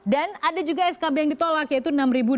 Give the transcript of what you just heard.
dan ada juga skb yang ditolak yaitu enam delapan ratus